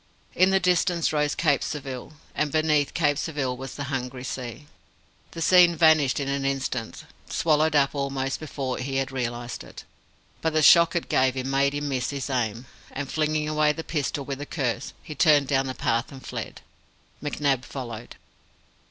In the distance rose Cape Surville, and beneath Cape Surville was the hungry sea. The scene vanished in an instant swallowed up almost before he had realized it. But the shock it gave him made him miss his aim, and, flinging away the pistol with a curse, he turned down the path and fled. McNab followed.